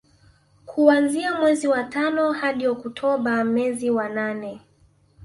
Kuanzia mwezi wa tano hadi Oktoba mezi wa nane